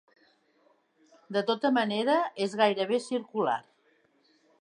De tota manera, és gairebé circular.